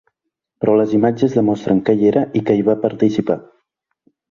Però les imatges demostren que hi era i que hi va participar.